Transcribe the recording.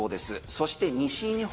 そして西日本、